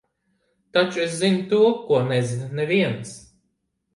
Taču es zinu to, ko nezina neviens.